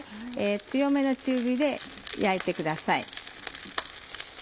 強めの中火で焼いてください。